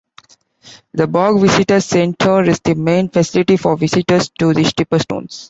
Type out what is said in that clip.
The Bog Visitor Centre is the main facility for visitors to the Stiperstones.